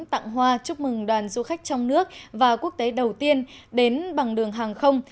tặng hoa chúc mừng đoàn du khách trong nước và quốc tế đầu tiên đến bằng đường hàng không